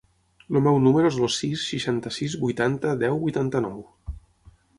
El meu número es el sis, seixanta-sis, vuitanta, deu, vuitanta-nou.